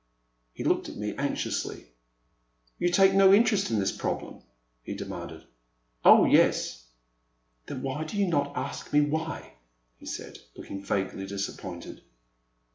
He looked at me anxiously. You take no interest in this problem ?he demanded. '* Oh, yes." Then why do you not ask me why ?" he said, looking vaguely disappointed.